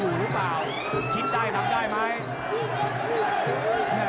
รู้หรือเปล่าคิดได้ทำได้มั้ย